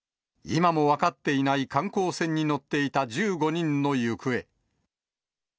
今も分かっていない観光船に乗っていた１５人の行方。